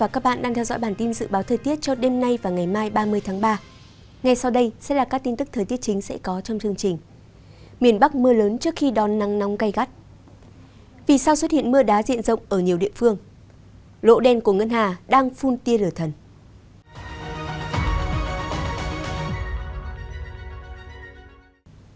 các bạn hãy đăng ký kênh để ủng hộ kênh của chúng mình nhé